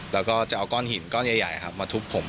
แล้วก็จะเอาก้อนหินก้อนใหญ่มาทุบผม